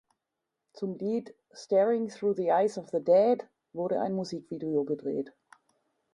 Zum Lied "Staring Through the Eyes of the Dead" wurde ein Musikvideo gedreht.